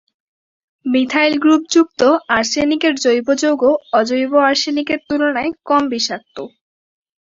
Methyl গ্রুপযুক্ত আর্সেনিকের জৈব যৌগ অজৈব আর্সেনিকের তুলনায় কম বিষাক্ত।